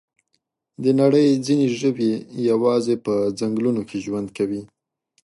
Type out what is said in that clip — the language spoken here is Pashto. د نړۍ ځینې ژوي یوازې په ځنګلونو کې ژوند کوي.